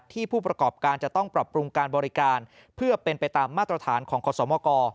ผู้ประกอบการจะต้องปรับปรุงการบริการเพื่อเป็นไปตามมาตรฐานของขอสมก